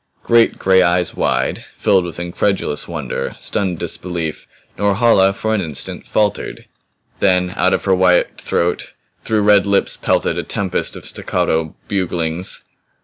Great gray eyes wide, filled with incredulous wonder, stunned disbelief, Norhala for an instant faltered. Then out of her white throat, through her red lips pelted a tempest of staccato buglings.